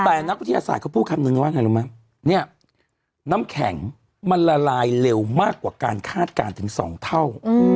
แต่นักวิทยาศาสตร์เขาพูดคำนึงว่าไงรู้ไหมเนี่ยน้ำแข็งมันละลายเร็วมากกว่าการคาดการณ์ถึง๒เท่า